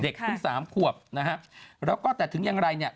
เด็กที่๓ควบแล้วก็แต่ถึงอย่างไร